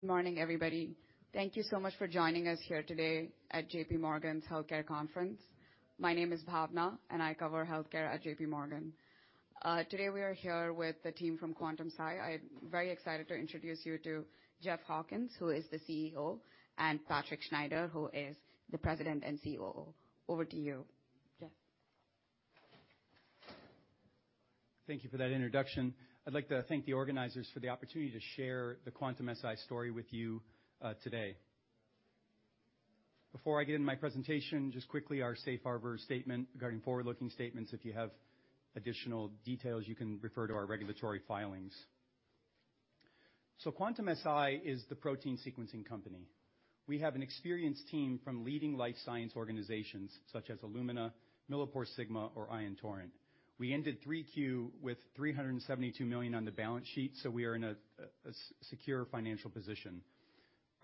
Good morning, everybody. Thank you so much for joining us here today at JPMorgan Healthcare Conference. My name is Bhavna, and I cover healthcare at JPMorgan. Today we are here with the team from Quantum-Si. I'm very excited to introduce you to Jeff Hawkins, who is the CEO, and Patrick Schneider, who is the President and COO. Over to you, Jeff. Thank you for that introduction. I'd like to thank the organizers for the opportunity to share the Quantum-Si story with you today. Before I get into my presentation, just quickly, our safe harbor statement regarding forward-looking statements. If you have additional details, you can refer to our regulatory filings. Quantum-Si is the protein sequencing company. We have an experienced team from leading life science organizations such as Illumina, MilliporeSigma or Ion Torrent. We ended 3Q with $372 million on the balance sheet, so we are in a secure financial position.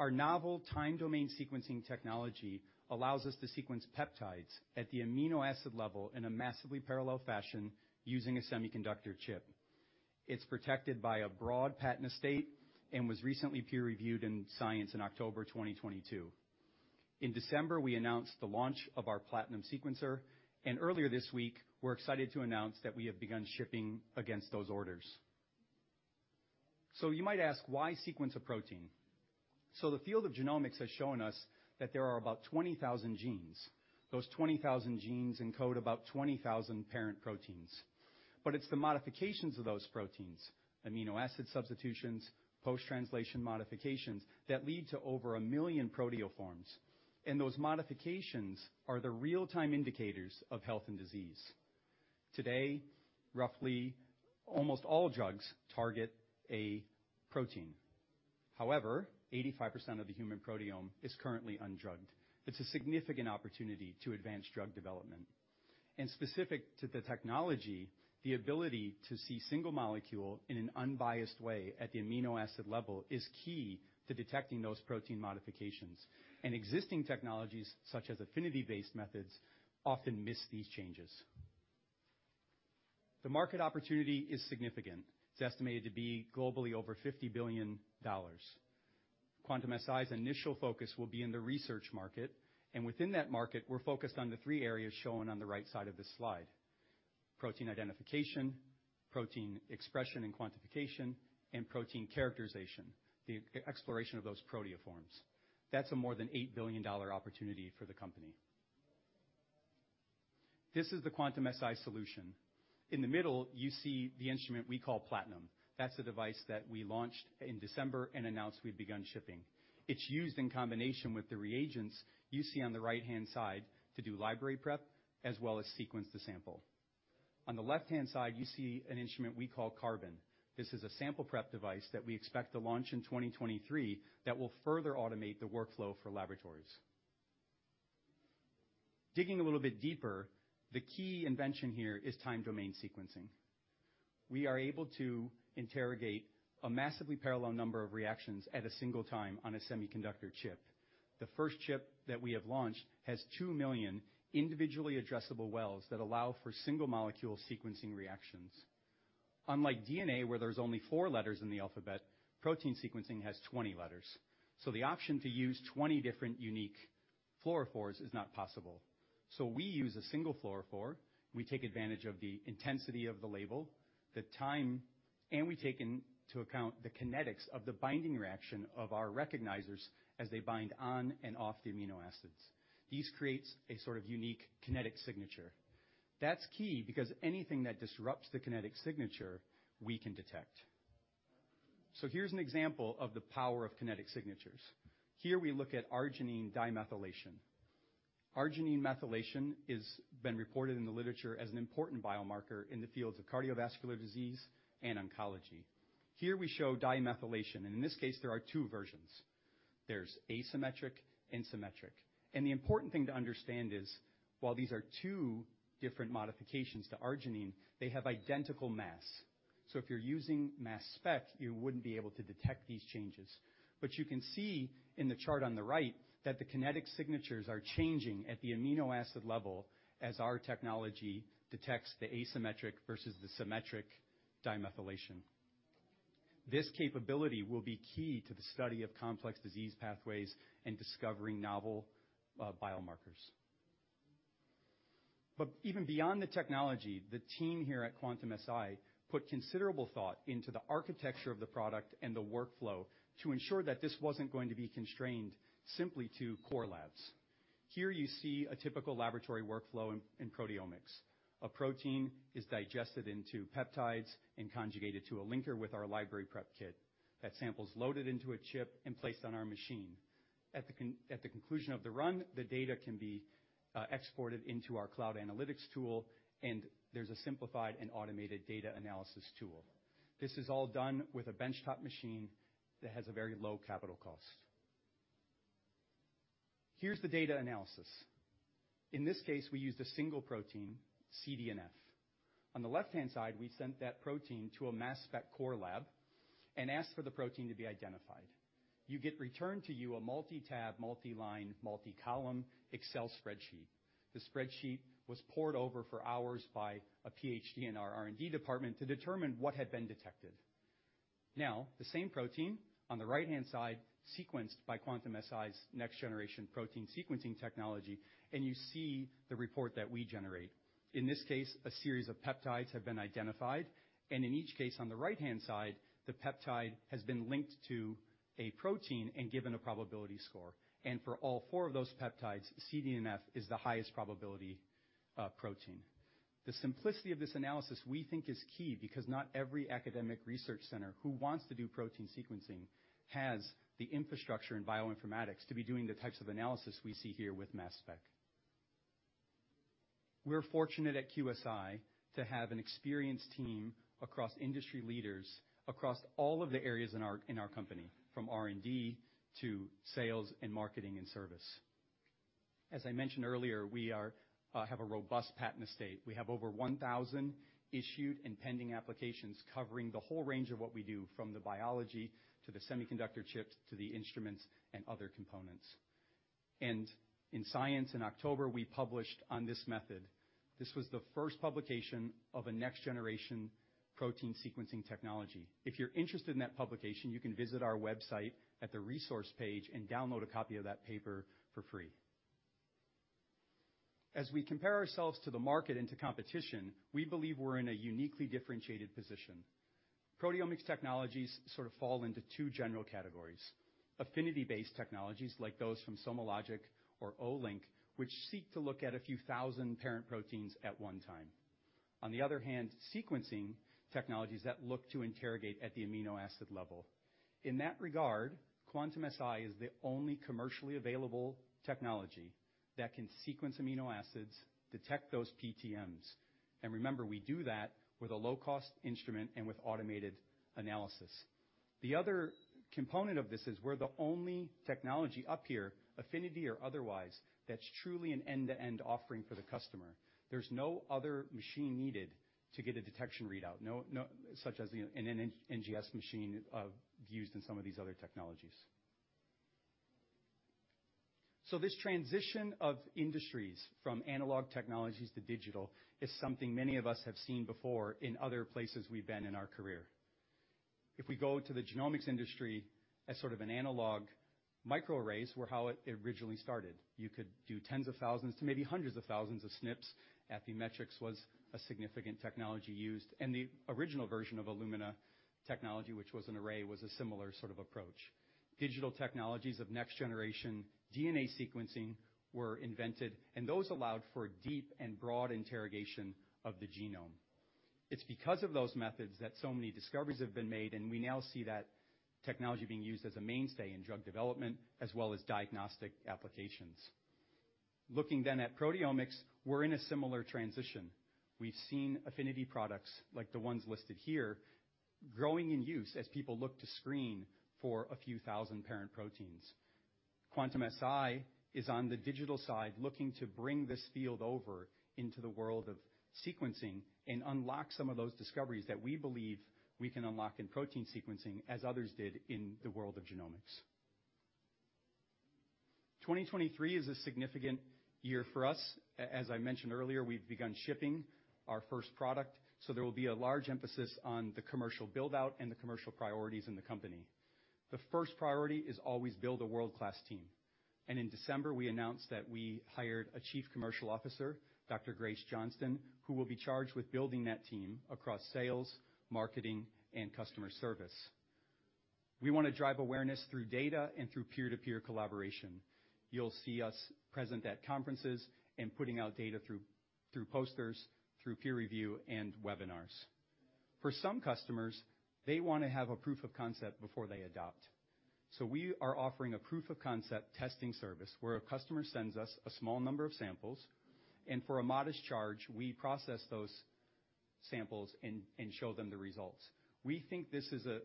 Our novel Time Domain Sequencing technology allows us to sequence peptides at the amino acid level in a massively parallel fashion using a semiconductor chip. It's protected by a broad patent estate and was recently peer-reviewed in Science in October 2022. In December, we announced the launch of our Platinum sequencer. Earlier this week, we're excited to announce that we have begun shipping against those orders. You might ask, why sequence a protein? The field of genomics has shown us that there are about 20,000 genes. Those 20,000 genes encode about 20,000 parent proteins. It's the modifications of those proteins, amino acid substitutions, post-translational modifications, that lead to over 1 million proteoforms. Those modifications are the real-time indicators of health and disease. Today, roughly almost all drugs target a protein. However, 85% of the human proteome is currently undrugged. It's a significant opportunity to advance drug development. Specific to the technology, the ability to see single molecule in an unbiased way at the amino acid level is key to detecting those protein modifications. Existing technologies, such as affinity-based methods, often miss these changes. The market opportunity is significant. It's estimated to be globally over $50 billion. Quantum-Si initial focus will be in the research market, and within that market, we're focused on the three areas shown on the right side of this slide. Protein identification, protein expression and quantification, and protein characterization, the e-exploration of those proteoforms. That's a more than $8 billion opportunity for the company. This is the Quantum-Si solution. In the middle, you see the instrument we call Platinum. That's the device that we launched in December and announced we've begun shipping. It's used in combination with the reagents you see on the right-hand side to do library prep, as well as sequence the sample. On the left-hand side, you see an instrument we call Carbon. This is a sample prep device that we expect to launch in 2023 that will further automate the workflow for laboratories. Digging a little bit deeper, the key invention here is Time Domain Sequencing. We are able to interrogate a massively parallel number of reactions at a single time on a semiconductor chip. The first chip that we have launched has 2 million individually addressable wells that allow for single molecule sequencing reactions. Unlike DNA, where there's only four letters in the alphabet, protein sequencing has 20 letters. The option to use 20 different unique fluorophores is not possible. We use a single fluorophore, we take advantage of the intensity of the label, the time, and we take into account the kinetics of the binding reaction of our recognizers as they bind on and off the amino acids. This creates a sort of unique kinetic signature. That's key because anything that disrupts the kinetic signature, we can detect. Here's an example of the power of kinetic signatures. Here we look at arginine dimethylation. Arginine methylation is been reported in the literature as an important biomarker in the fields of cardiovascular disease and oncology. Here we show dimethylation, in this case, there are two versions. There's asymmetric and symmetric. The important thing to understand is while these are two different modifications to arginine, they have identical mass. If you're using mass spec, you wouldn't be able to detect these changes. You can see in the chart on the right that the kinetic signatures are changing at the amino acid level as our technology detects the asymmetric versus the symmetric dimethylation. This capability will be key to the study of complex disease pathways and discovering novel biomarkers. Even beyond the technology, the team here at Quantum-Si put considerable thought into the architecture of the product and the workflow to ensure that this wasn't going to be constrained simply to core labs. Here you see a typical laboratory workflow in proteomics. A protein is digested into peptides and conjugated to a linker with our library prep kit. That sample's loaded into a chip and placed on our machine. At the conclusion of the run, the data can be exported into our cloud analytics tool, and there's a simplified and automated data analysis tool. This is all done with a benchtop machine that has a very low capital cost. Here's the data analysis. In this case, we used a single protein, CDNF. On the left-hand side, we sent that protein to a mass spec core lab and asked for the protein to be identified. You get returned to you a multi-tab, multi-line, multi-column Excel spreadsheet. The spreadsheet was pored over for hours by a PhD in our R&D department to determine what had been detected. The same protein on the right-hand side, sequenced by Quantum-Si's next-generation protein sequencing technology, and you see the report that we generate. In this case, a series of peptides have been identified, in each case on the right-hand side, the peptide has been linked to a protein and given a probability score. For all four of those peptides, CDNF is the highest probability protein. The simplicity of this analysis, we think is key because not every academic research center who wants to do protein sequencing has the infrastructure in bioinformatics to be doing the types of analysis we see here with mass spec. We're fortunate at QSI to have an experienced team across industry leaders, across all of the areas in our, in our company, from R&D to sales and marketing and service. I mentioned earlier, we have a robust patent estate. We have over 1,000 issued and pending applications covering the whole range of what we do, from the biology to the semiconductor chips, to the instruments and other components. In Science in October, we published on this method. This was the first publication of a next-generation protein sequencing technology. If you're interested in that publication, you can visit our website at the resource page and download a copy of that paper for free. We believe we're in a uniquely differentiated position. Proteomics technologies sort of fall into two general categories. Affinity-based technologies, like those from SomaLogic or Olink, which seek to look at a few thousand parent proteins at one time. Sequencing technologies that look to interrogate at the amino acid level. In that regard, Quantum-Si is the only commercially available technology that can sequence amino acids, detect those PTMs, and remember, we do that with a low-cost instrument and with automated analysis. The other component of this is we're the only technology up here, affinity or otherwise, that's truly an end-to-end offering for the customer. There's no other machine needed to get a detection readout, no such as an NGS machine, used in some of these other technologies. This transition of industries from analog technologies to digital is something many of us have seen before in other places we've been in our career. If we go to the genomics industry as sort of an analog, microarrays were how it originally started. You could do tens of thousands to maybe hundreds of thousands of SNPs. EpiMatrix was a significant technology used. The original version of Illumina technology, which was an array, was a similar sort of approach. Digital technologies of next-generation DNA sequencing were invented, and those allowed for deep and broad interrogation of the genome. It's because of those methods that so many discoveries have been made, and we now see that technology being used as a mainstay in drug development as well as diagnostic applications. Looking at proteomics, we're in a similar transition. We've seen affinity products like the ones listed here growing in use as people look to screen for a few thousand parent proteins. Quantum-Si is on the digital side, looking to bring this field over into the world of sequencing and unlock some of those discoveries that we believe we can unlock in protein sequencing, as others did in the world of genomics. 2023 is a significant year for us. As I mentioned earlier, we've begun shipping our first product, so there will be a large emphasis on the commercial build-out and the commercial priorities in the company. The first priority is always build a world-class team. In December, we announced that we hired a Chief Commercial Officer, Dr. Grace Johnston, who will be charged with building that team across sales, marketing, and customer service. We wanna drive awareness through data and through peer-to-peer collaboration. You'll see us present at conferences and putting out data through posters, through peer review and webinars. For some customers, they wanna have a proof of concept before they adopt. We are offering a proof of concept testing service, where a customer sends us a small number of samples, and for a modest charge, we process those samples and show them the results. We think this is a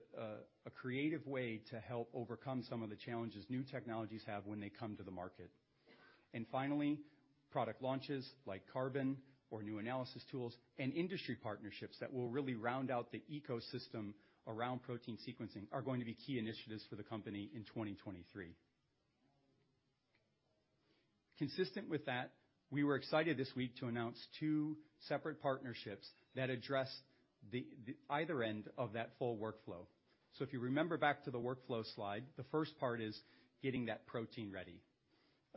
creative way to help overcome some of the challenges new technologies have when they come to the market. Finally, product launches like Carbon or new analysis tools and industry partnerships that will really round out the ecosystem around protein sequencing are going to be key initiatives for the company in 2023. Consistent with that, we were excited this week to announce two separate partnerships that address either end of that full workflow. If you remember back to the workflow slide, the first part is getting that protein ready.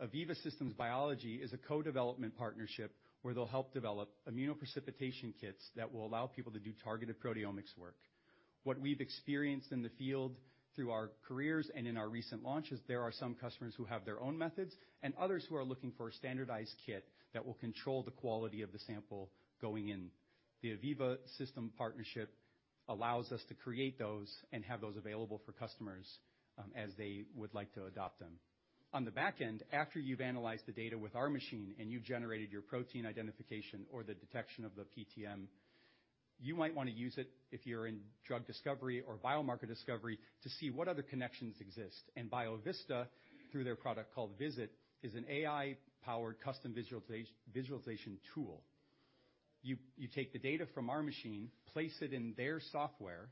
Aviva Systems Biology is a co-development partnership where they'll help develop immunoprecipitation kits that will allow people to do targeted proteomics work. What we've experienced in the field through our careers and in our recent launches, there are some customers who have their own methods and others who are looking for a standardized kit that will control the quality of the sample going in. The Aviva Systems Biology partnership allows us to create those and have those available for customers, as they would like to adopt them. On the back end, after you've analyzed the data with our machine and you've generated your protein identification or the detection of the PTM, you might wanna use it if you're in drug discovery or biomarker discovery to see what other connections exist. Biovista, through their product called VIZIT, is an AI-powered custom visualization tool. You take the data from our machine, place it in their software,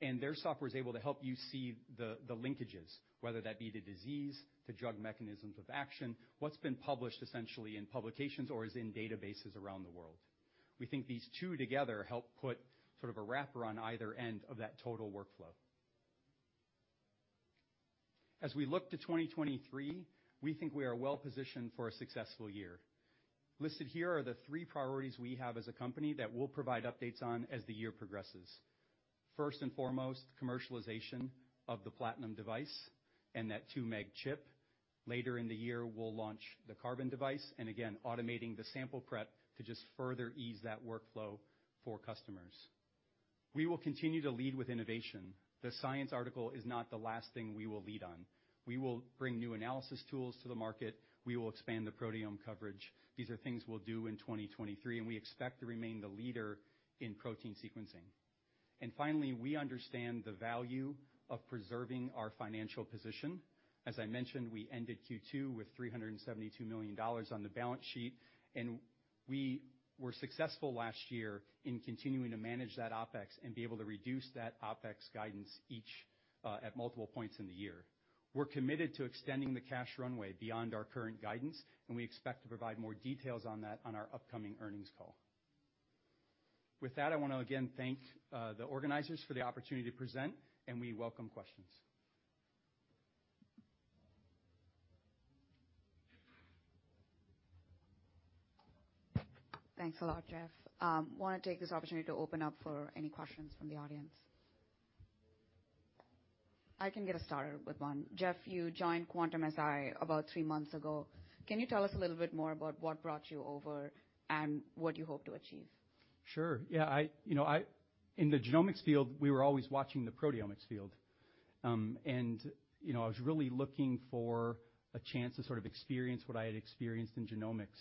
their software is able to help you see the linkages, whether that be the disease, the drug mechanisms of action, what's been published essentially in publications or is in databases around the world. We think these two together help put sort of a wrapper on either end of that total workflow. As we look to 2023, we think we are well-positioned for a successful year. Listed here are the three priorities we have as a company that we'll provide updates on as the year progresses. First and foremost, commercialization of the Platinum device and that 2M chip. Later in the year, we'll launch the Carbon device, and again, automating the sample prep to just further ease that workflow for customers. We will continue to lead with innovation. The Science article is not the last thing we will lead on. We will bring new analysis tools to the market. We will expand the proteome coverage. These are things we'll do in 2023, and we expect to remain the leader in protein sequencing. Finally, we understand the value of preserving our financial position. As I mentioned, we ended Q2 with $372 million on the balance sheet. We were successful last year in continuing to manage that OpEx and be able to reduce that OpEx guidance each at multiple points in the year. We're committed to extending the cash runway beyond our current guidance. We expect to provide more details on that on our upcoming Earnings Call. With that, I want to again thank the organizers for the opportunity to present. We welcome questions. Thanks a lot, Jeff. Wanna take this opportunity to open up for any questions from the audience. I can get us started with one. Jeff, you joined Quantum-Si about three months ago. Can you tell us a little bit more about what brought you over and what you hope to achieve? Sure. Yeah, you know, in the genomics field, we were always watching the proteomics field. You know, I was really looking for a chance to sort of experience what I had experienced in genomics.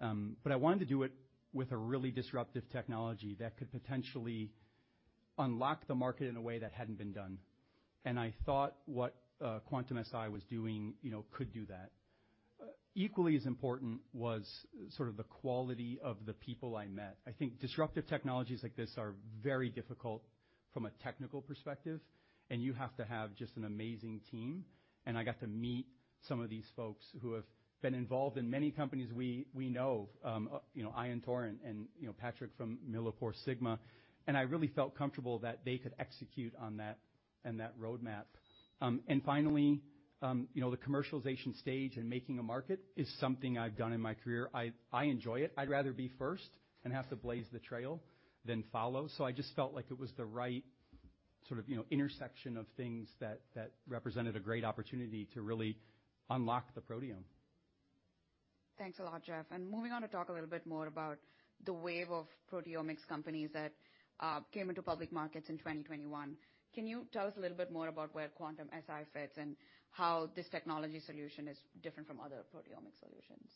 I wanted to do it with a really disruptive technology that could potentially unlock the market in a way that hadn't been done. I thought what Quantum-Si was doing, you know, could do that. Equally as important was sort of the quality of the people I met. I think disruptive technologies like this are very difficult from a technical perspective, and you have to have just an amazing team. I got to meet some of these folks who have been involved in many companies we know, you know, Ion Torrent and, you know, Patrick from MilliporeSigma, and I really felt comfortable that they could execute on that roadmap. Finally, you know, the commercialization stage and making a market is something I've done in my career. I enjoy it. I'd rather be first and have to blaze the trail than follow. I just felt like it was the right sort of, you know, intersection of things that represented a great opportunity to really unlock the proteome. Thanks a lot, Jeff. Moving on to talk a little bit more about the wave of proteomics companies that came into public markets in 2021. Can you tell us a little bit more about where Quantum-Si fits and how this technology solution is different from other proteomic solutions?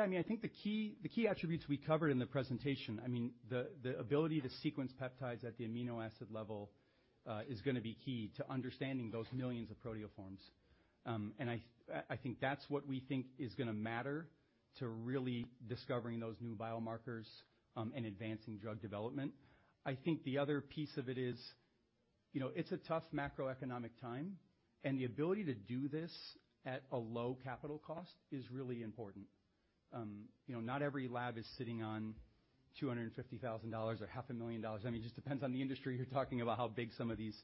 I mean, I think the key attributes we covered in the presentation, I mean, the ability to sequence peptides at the amino acid level is gonna be key to understanding those millions of proteoforms. I think that's what we think is gonna matter to really discovering those new biomarkers and advancing drug development. I think the other piece of it is, you know, it's a tough macroeconomic time, and the ability to do this at a low capital cost is really important. You know, not every lab is sitting on $250,000 or half a million dollars. I mean, it just depends on the industry you're talking about how big some of these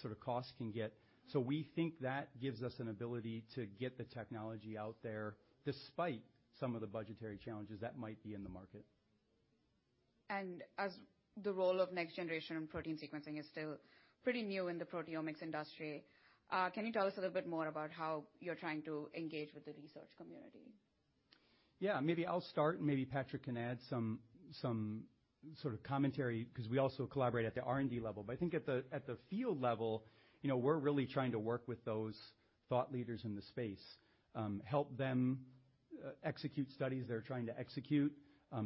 sort of costs can get. We think that gives us an ability to get the technology out there despite some of the budgetary challenges that might be in the market. As the role of next-generation protein sequencing is still pretty new in the proteomics industry, can you tell us a little bit more about how you're trying to engage with the research community? Yeah. Maybe I'll start, and maybe Patrick can add some sort of commentary 'cause we also collaborate at the R&D level. I think at the field level, you know, we're really trying to work with those thought leaders in the space, help them execute studies they're trying to execute,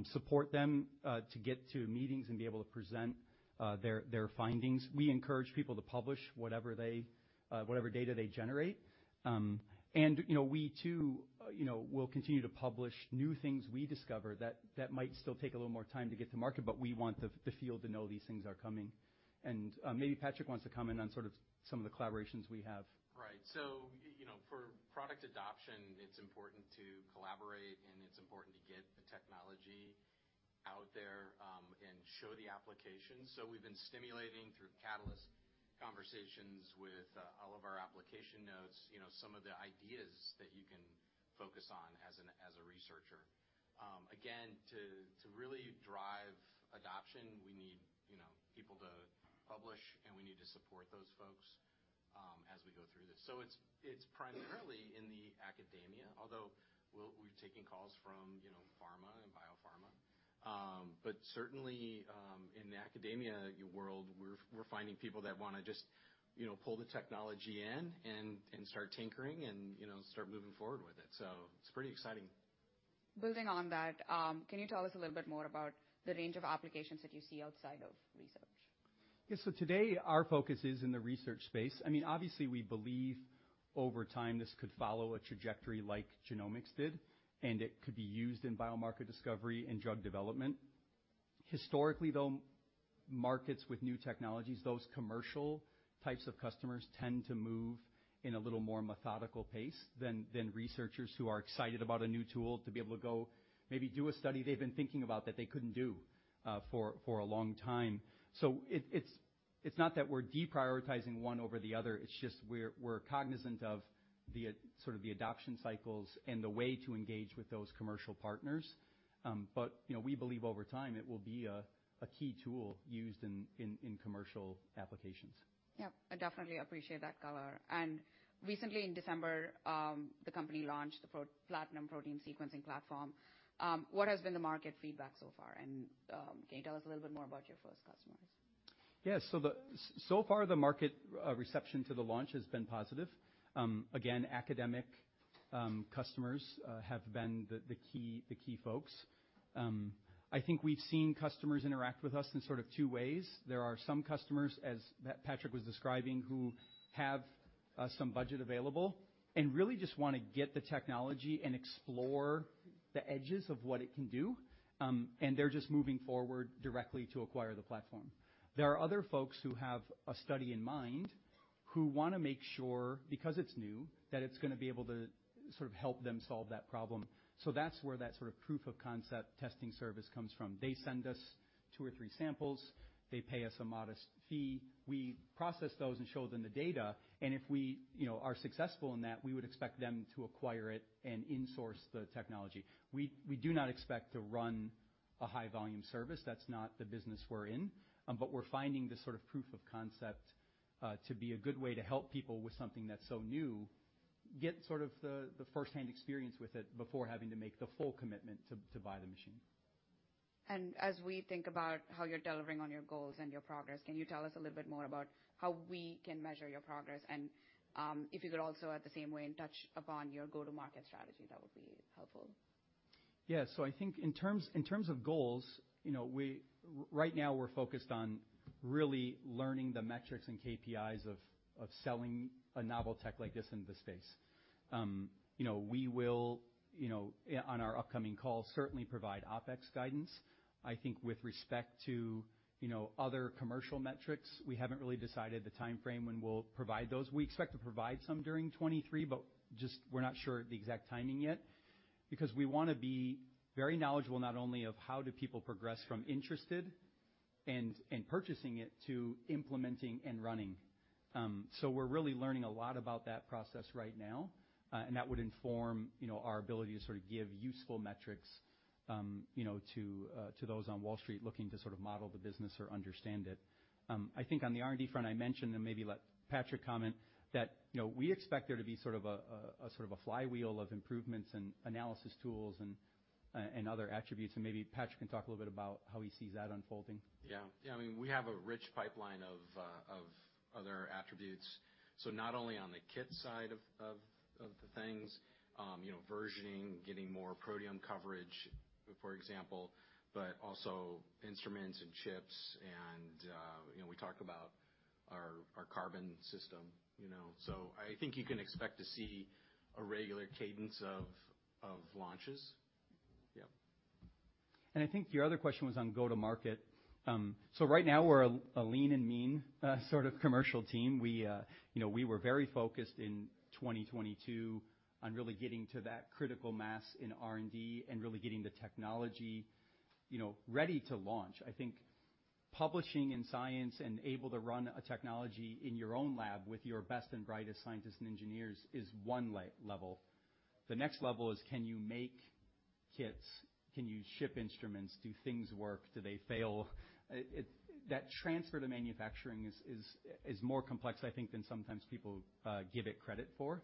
support them to get to meetings and be able to present their findings. We encourage people to publish whatever data they generate. You know, we too, you know, will continue to publish new things we discover that might still take a little more time to get to market, but we want the field to know these things are coming. Maybe Patrick wants to comment on sort of some of the collaborations we have. Right. You know, for product adoption, it's important to collaborate and it's important to get the technology out there and show the application. We've been stimulating through catalyst conversations with all of our application notes, you know, some of the ideas that you can focus on as a researcher. Again, to really drive adoption, we need, you know, people to publish, and we need to support those folks as we go through this. It's primarily in the academia, although we're taking calls from, you know, pharma and biopharma. Certainly, in the academia world, we're finding people that wanna just, you know, pull the technology in and start tinkering and, you know, start moving forward with it. It's pretty exciting. Building on that, can you tell us a little bit more about the range of applications that you see outside of research? Today, our focus is in the research space. I mean, obviously, we believe over time this could follow a trajectory like genomics did, and it could be used in biomarker discovery and drug development. Historically, though, markets with new technologies, those commercial types of customers tend to move in a little more methodical pace than researchers who are excited about a new tool to be able to go maybe do a study they've been thinking about that they couldn't do for a long time. It's not that we're deprioritizing one over the other, it's just we're cognizant of the sort of the adoption cycles and the way to engage with those commercial partners. You know, we believe over time it will be a key tool used in commercial applications. Yep. I definitely appreciate that color. Recently in December, the company launched the pro-Platinum protein sequencing platform. What has been the market feedback so far? Can you tell us a little bit more about your first customers? Yes. The market reception to the launch has been positive. Again, academic customers have been the key folks. I think we've seen customers interact with us in sort of two ways. There are some customers, as Patrick was describing, who have some budget available and really just wanna get the technology and explore the edges of what it can do, and they're just moving forward directly to acquire the platform. There are other folks who have a study in mind who wanna make sure, because it's new, that it's gonna be able to sort of help them solve that problem. That's where that sort of proof of concept testing service comes from. They send us two or three samples, they pay us a modest fee, we process those and show them the data, and if we, you know, are successful in that, we would expect them to acquire it and insource the technology. We do not expect to run a high volume service. That's not the business we're in. We're finding this sort of proof of concept to be a good way to help people with something that's so new get sort of the first-hand experience with it before having to make the full commitment to buy the machine. As we think about how you're delivering on your goals and your progress, can you tell us a little bit more about how we can measure your progress? If you could also at the same way and touch upon your go-to-market strategy, that would be helpful. Yeah. I think in terms of goals, you know, Right now we're focused on really learning the metrics and KPIs of selling a novel tech like this into the space. You know, we will, you know, on our upcoming call, certainly provide OpEx guidance. I think with respect to, you know, other commercial metrics, we haven't really decided the timeframe when we'll provide those. We expect to provide some during 2023, but just we're not sure the exact timing yet, because we wanna be very knowledgeable not only of how do people progress from interested and purchasing it to implementing and running. We're really learning a lot about that process right now. That would inform, you know, our ability to sort of give useful metrics, you know, to those on Wall Street looking to sort of model the business or understand it. I think on the R&D front, I mentioned, maybe let Patrick comment, that, you know, we expect there to be sort of a sort of a flywheel of improvements and analysis tools and other attributes, maybe Patrick can talk a little bit about how he sees that unfolding. Yeah. Yeah, I mean, we have a rich pipeline of other attributes. Not only on the kit side of the things, you know, versioning, getting more proteome coverage, for example, but also instruments and chips and, you know, we talk about our Carbon system, you know. I think you can expect to see a regular cadence of launches. Yep. I think your other question was on go to market. Right now we're a lean and mean sort of commercial team. We were very focused in 2022 on really getting to that critical mass in R&D and really getting the technology, you know, ready to launch. I think publishing in Science and able to run a technology in your own lab with your best and brightest scientists and engineers is one level. The next level is can you make kits? Can you ship instruments? Do things work? Do they fail? That transfer to manufacturing is more complex, I think, than sometimes people give it credit for.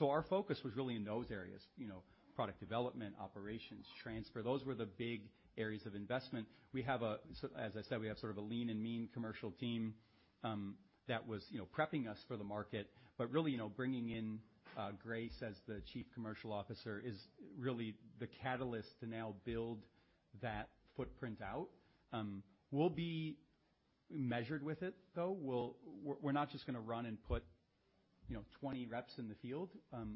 Our focus was really in those areas, you know, product development, operations, transfer. Those were the big areas of investment. We have a... As I said, we have sort of a lean and mean commercial team, that was, you know, prepping us for the market. Really, you know, bringing in, Grace as the Chief Commercial Officer is really the catalyst to now build that footprint out. We'll be measured with it, though. We're not just gonna run and put, you know, 20 reps in the field.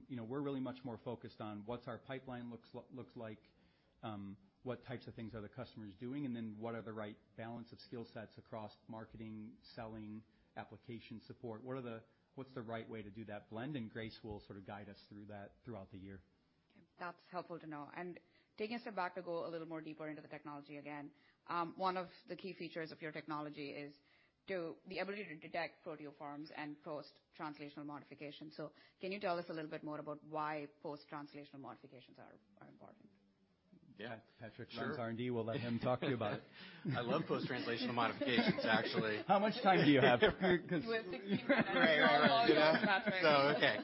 You know, we're really much more focused on what's our pipeline looks like, what types of things are the customers doing, and then what are the right balance of skill sets across marketing, selling, application support. What's the right way to do that blend? Grace will sort of guide us through that throughout the year. That's helpful to know. Taking a step back to go a little more deeper into the technology again, one of the key features of your technology is the ability to detect proteoforms and post-translational modifications. Can you tell us a little bit more about why post-translational modifications are important? Yeah. Sure. Patrick runs R&D. We'll let him talk to you about it. I love post-translational modifications, actually. How much time do you have? You have 60 minutes. Right. All yours, Patrick. Okay.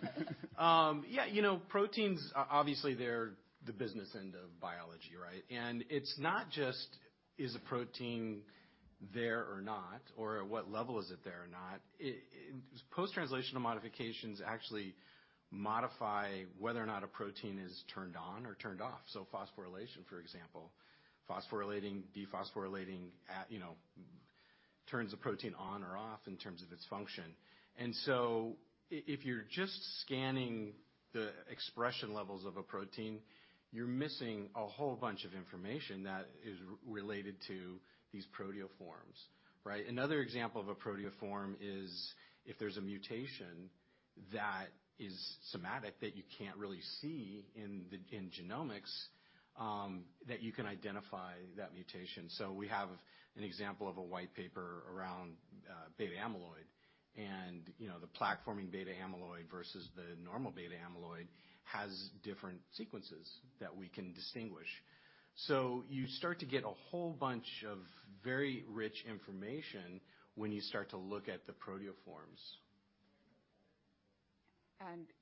Yeah, you know, proteins, obviously, they're the business end of biology, right? It's not just, is a protein there or not, or at what level is it there or not. Post-translational modifications actually modify whether or not a protein is turned on or turned off. Phosphorylation, for example. Phosphorylating, dephosphorylating at, you know, turns the protein on or off in terms of its function. If you're just scanning the expression levels of a protein, you're missing a whole bunch of information that is related to these proteoforms, right? Another example of a proteoform is if there's a mutation that is somatic that you can't really see in genomics, that you can identify that mutation. We have an example of a white paper around beta amyloid and, you know, the plaque-forming beta amyloid versus the normal beta amyloid has different sequences that we can distinguish. You start to get a whole bunch of very rich information when you start to look at the proteoforms.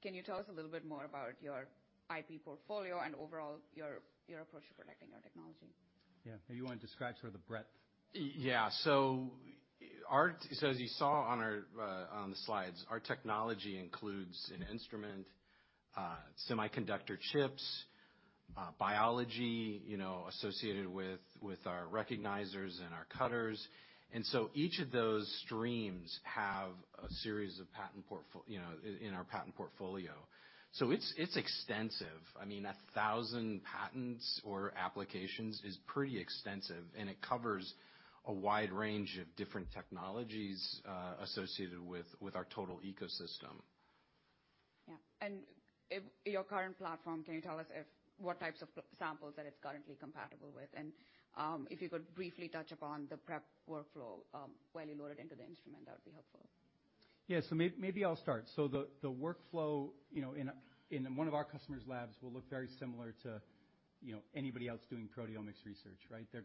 Can you tell us a little bit more about your IP portfolio and overall your approach to protecting your technology? Yeah. Maybe you wanna describe sort of the breadth. Yeah. As you saw on our on the slides, our technology includes an instrument, semiconductor chips, biology, you know, associated with our recognizers and our cutters. Each of those streams have a series of patent portfolio, you know, in our patent portfolio. It's, it's extensive. I mean, 1,000 patents or applications is pretty extensive, and it covers a wide range of different technologies associated with our total ecosystem. Yeah. If your current platform, can you tell us what types of samples that it's currently compatible with? If you could briefly touch upon the prep workflow, while you load it into the instrument, that would be helpful. Maybe I'll start. The workflow, you know, in a, in one of our customers' labs will look very similar to, you know, anybody else doing proteomics research, right? They're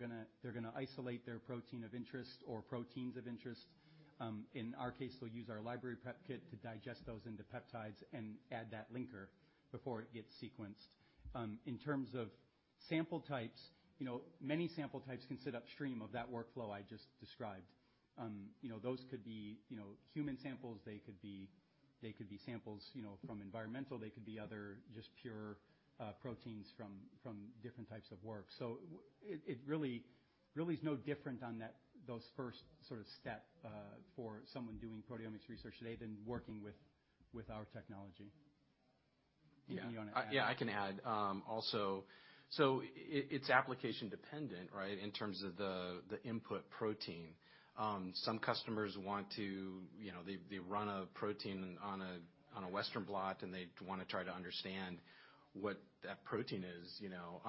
gonna isolate their protein of interest or proteins of interest. In our case, they'll use our library prep kit to digest those into peptides and add that linker before it gets sequenced. In terms of sample types, you know, many sample types can sit upstream of that workflow I just described. You know, those could be, you know, human samples. They could be samples, you know, from environmental. They could be other just pure proteins from different types of work. It really is no different on that, those first sort of step, for someone doing proteomics research today than working with our technology. Do you wanna add? Yeah. I can add also. It's application dependent, right, in terms of the input protein. Some customers want to, you know, they run a protein on a Western blot, and they wanna try to understand what that protein is, you know.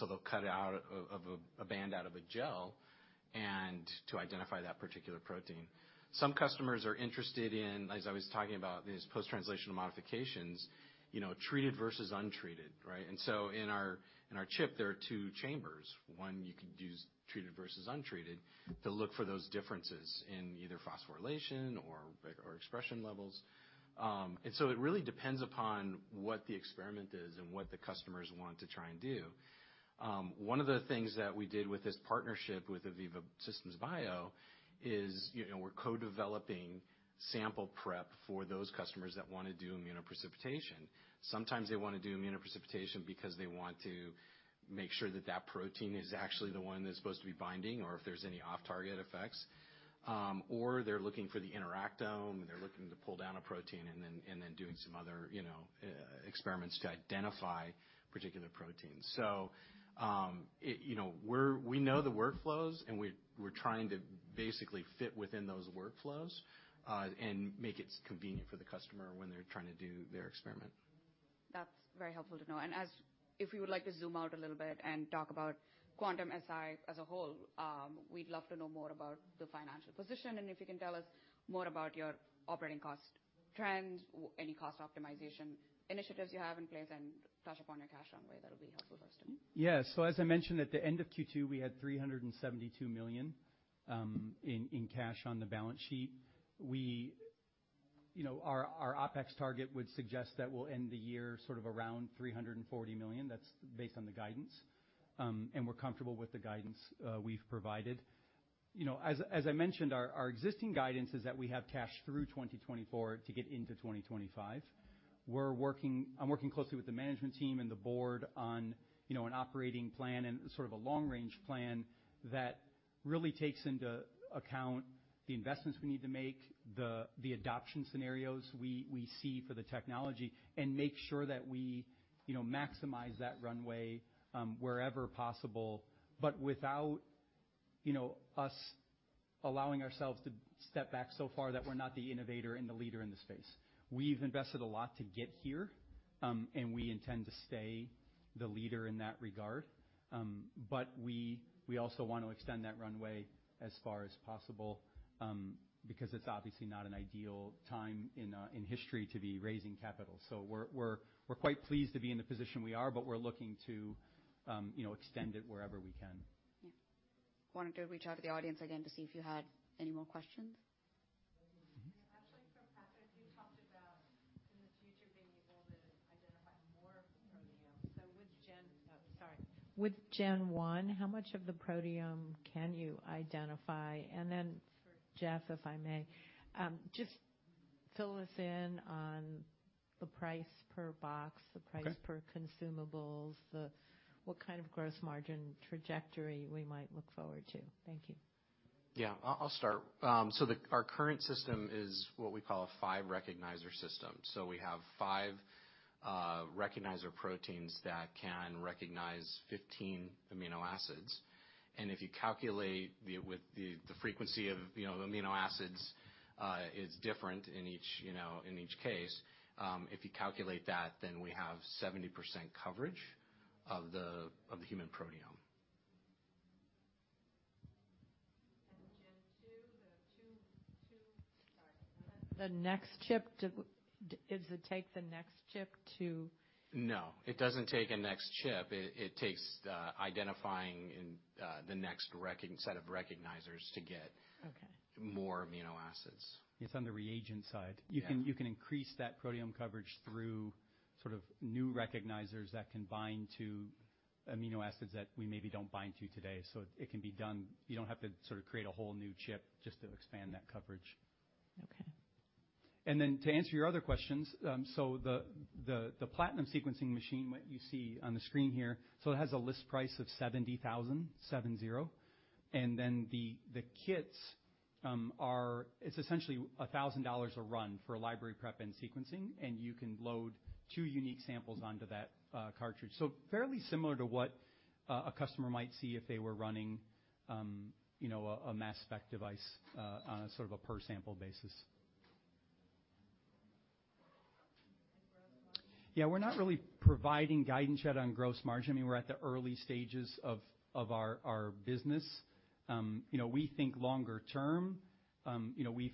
They'll cut out of a band out of a gel and to identify that particular protein. Some customers are interested in, as I was talking about, these post-translational modifications, you know, treated versus untreated, right? In our chip, there are two chambers. One you could use treated versus untreated to look for those differences in either phosphorylation or expression levels. It really depends upon what the experiment is and what the customers want to try and do. One of the things that we did with this partnership with Aviva Systems Biology is, you know, we're co-developing sample prep for those customers that wanna do immunoprecipitation. Sometimes they wanna do immunoprecipitation because they want to make sure that that protein is actually the one that's supposed to be binding or if there's any off-target effects. Or they're looking for the interactome, they're looking to pull down a protein and then doing some other, you know, experiments to identify particular proteins. It, you know, we know the workflows, and we're trying to basically fit within those workflows and make it convenient for the customer when they're trying to do their experiment. That's very helpful to know. If you would like to zoom out a little bit and talk about Quantum-Si as a whole, we'd love to know more about the financial position and if you can tell us more about your operating cost trends or any cost optimization initiatives you have in place, and touch upon your cash runway, that'll be helpful for us too. Yeah. As I mentioned, at the end of Q2, we had $372 million in cash on the balance sheet. You know, our OpEx target would suggest that we'll end the year sort of around $340 million. That's based on the guidance. We're comfortable with the guidance we've provided. You know, as I mentioned, our existing guidance is that we have cash through 2024 to get into 2025. I'm working closely with the management team and the board on, you know, an operating plan and sort of a long-range plan that really takes into account the investments we need to make, the adoption scenarios we see for the technology and make sure that we, you know, maximize that runway wherever possible, but without, you know, us allowing ourselves to step back so far that we're not the innovator and the leader in the space. We've invested a lot to get here, and we intend to stay the leader in that regard. We also want to extend that runway as far as possible, because it's obviously not an ideal time in history to be raising capital. We're quite pleased to be in the position we are, but we're looking to, you know, extend it wherever we can. Yeah. Wanted to reach out to the audience again to see if you had any more questions. Actually, for Patrick, you talked about in the future being able to identify more of the proteome. Oh, sorry. With Gen one, how much of the proteome can you identify? For Jeff, if I may, Fill us in on the price per box. Okay. The price per consumables, What kind of gross margin trajectory we might look forward to. Thank you. Yeah. I'll start. Our current system is what we call a five recognizer system. We have five recognizer proteins that can recognize 15 amino acids. If you calculate the frequency of, you know, amino acids is different in each, you know, in each case. If you calculate that, we have 70% coverage of the human proteome. Chip 2, the 2... Sorry. The next chip, does it take the next chip to- No, it doesn't take a next chip. It takes identifying and the next set of recognizers to get- Okay. More amino acids. It's on the reagent side. Yeah. You can increase that proteome coverage through sort of new recognizers that can bind to amino acids that we maybe don't bind to today. It can be done. You don't have to sort of create a whole new chip just to expand that coverage. Okay. To answer your other questions, the Platinum sequencing machine, what you see on the screen here, it has a list price of $70,000, seven zero. The kits, It's essentially $1,000 a run for a library prep and sequencing, and you can load two unique samples onto that cartridge. Fairly similar to what a customer might see if they were running, you know, a mass spec device on a sort of a per sample basis. Gross margin? Yeah, we're not really providing guidance yet on gross margin. I mean, we're at the early stages of our business. You know, we think longer term, you know, we've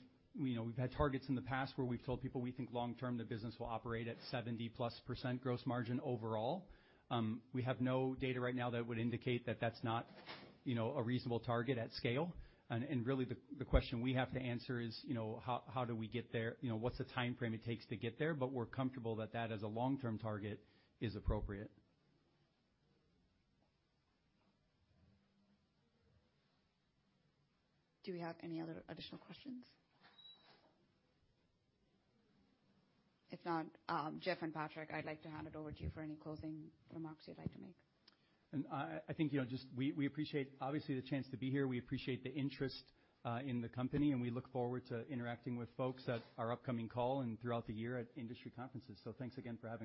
had targets in the past where we've told people we think long term the business will operate at 70%+ gross margin overall. We have no data right now that would indicate that that's not, you know, a reasonable target at scale. Really the question we have to answer is, you know, how do we get there? What's the timeframe it takes to get there? We're comfortable that that as a long-term target is appropriate. Do we have any other additional questions? If not, Jeff and Patrick, I'd like to hand it over to you for any closing remarks you'd like to make. I think, you know, just we appreciate obviously the chance to be here. We appreciate the interest in the company, and we look forward to interacting with folks at our upcoming call and throughout the year at industry conferences. Thanks again for having us.